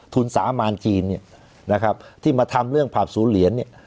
สามารจีนเนี่ยนะครับที่มาทำเรื่องผับศูนย์เหรียญเนี่ย